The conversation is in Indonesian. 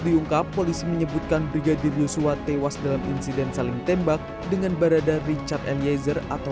diungkap polisi menyebutkan brigadir yosua tewas dalam insiden saling tembak dengan barada richard eliezer atau